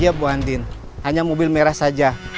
iya bu andien hanya mobil merah saja